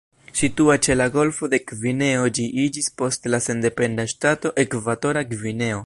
Situa ĉe la golfo de Gvineo, Ĝi iĝis poste la sendependa ŝtato Ekvatora Gvineo.